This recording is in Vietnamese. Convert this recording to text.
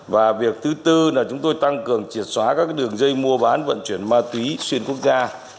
và việc thứ tư là chúng tôi tăng cường triệt xóa các đường dây mua bán vận chuyển ma túy xuyên quốc gia